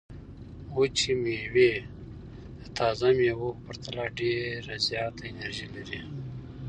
وچې مېوې د تازه مېوو په پرتله ډېره زیاته انرژي لري.